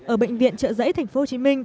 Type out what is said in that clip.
ở bệnh viện trợ giấy tp hcm